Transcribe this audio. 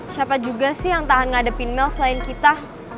siapa juga sih yang tahan ngadepin mell selain kita